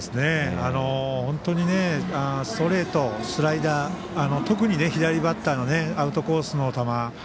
本当にストレート、スライダー特に左バッターのアウトコースの球。